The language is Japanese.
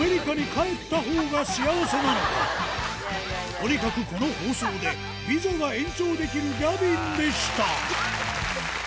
とにかくこの放送でビザが延長できるギャビンでした